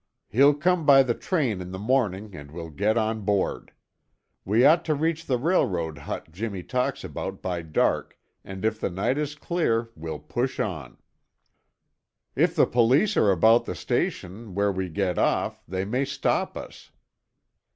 He'll come by the train in the morning and we'll get on board. We ought to reach the railroad hut Jimmy talks about by dark and if the night is clear we'll push on." "If the police are about the station where we get off, they may stop us."